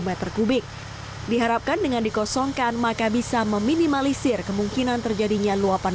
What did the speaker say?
meter kubik diharapkan dengan dikosongkan maka bisa meminimalisir kemungkinan terjadinya luapan